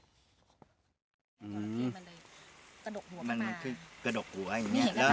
สรภะเทียนมันเลยเกรดกหัวประมาณ